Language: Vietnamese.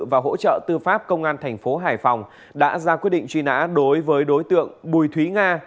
và hỗ trợ tư pháp công an thành phố hải phòng đã ra quyết định truy nã đối với đối tượng bùi thúy nga